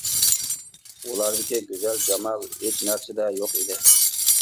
ئۇلاردىكى گۈزەل جامال ھېچ نەرسىدە يوق ئىدى.